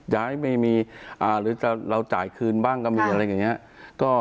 ย้ายไม่มีหรือเราจ่ายคืนบ้างก็มีอะไรอย่างนี้